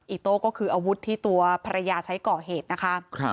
โต้ก็คืออาวุธที่ตัวภรรยาใช้ก่อเหตุนะคะ